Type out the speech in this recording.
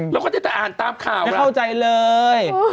เราก็จะแต่อ่านตามข่าวไม่เข้าใจเลย